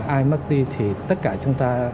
ai mất đi thì tất cả chúng ta